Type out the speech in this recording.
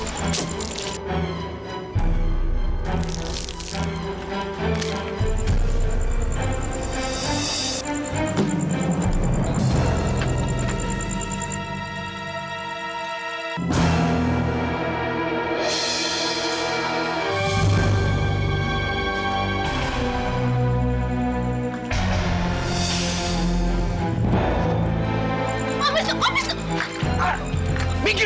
buat unsur unsur ya